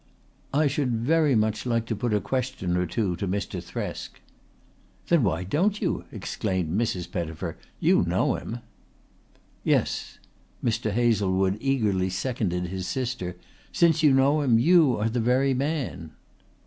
"I should very much like to put a question or two to Mr. Thresk." "Then why don't you?" exclaimed Mrs. Pettifer. "You know him." "Yes." Mr. Hazlewood eagerly seconded his sister. "Since you know him you are the very man."